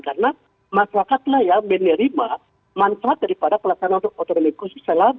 karena masyarakatlah yang menerima manfaat daripada pelaksanaan otonomi khusus